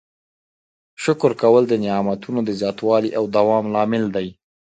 شکر کول د نعمتونو د زیاتوالي او دوام لامل دی.